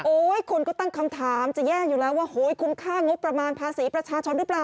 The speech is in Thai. คนก็ตั้งคำถามจะแย่อยู่แล้วว่าโหยคุ้มค่างบประมาณภาษีประชาชนหรือเปล่า